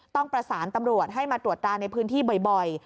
ต้องประสานตำรวจให้มาตรวจตาในพื้นที่บ่อย